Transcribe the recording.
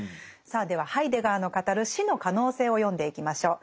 さあではハイデガーの語る「死」の可能性を読んでいきましょう。